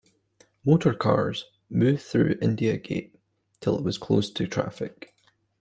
Motor cars, moved through India Gate, till it was closed to traffic.